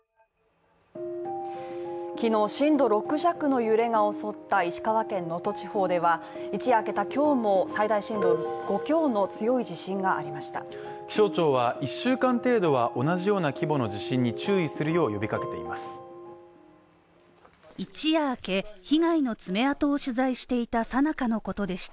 昨日震度６弱の揺れが襲った石川県能登地方では一夜明けた今日も最大震度５強の強い地震がありました気象庁は１週間程度は同じような規模の地震に注意するよう呼びかけています。